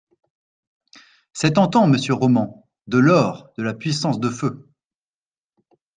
C’est tentant monsieur Roman. De l’or, de la puissance de feu.